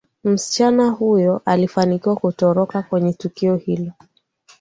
msichana huyo alifanikiwa kutoroka kwenye tukio hilo